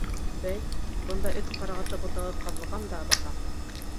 — Бәй, бында эт ҡарағаты ботағы ҡаҙалған дабаһа!